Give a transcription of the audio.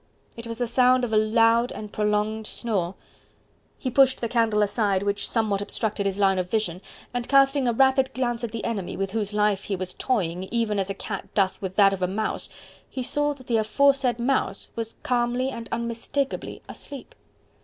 It was the sound of a loud and prolonged snore. He pushed the candle aside, which somewhat obstructed his line of vision, and casting a rapid glance at the enemy, with whose life he was toying even as a cat doth with that of a mouse, he saw that the aforesaid mouse was calmly and unmistakably asleep.